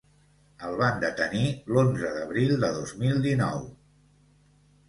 El van detenir l’onze d’abril de dos mil dinou.